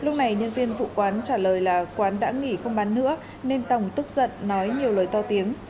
ngày nhân viên vụ quán trả lời là quán đã nghỉ không bán nữa nên tổng tức giận nói nhiều lời to tiếng